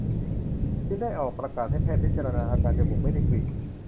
จึงได้ออกประกาศให้แพทย์พิจารณาอาการจมูกไม่ได้กลิ่น